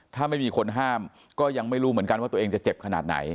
ถ้าไม่มีคนห้ามก็ยังไม่รู้เหมือนกันว่าตัวเองจะเจ็บขนาดไหน